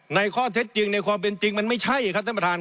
ในข้อเท็จจริงในความเป็นจริงมันไม่ใช่ครับท่านประธาน